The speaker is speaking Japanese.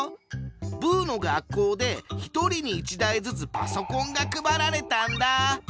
ブーの学校で１人に１台ずつパソコンが配られたんだ。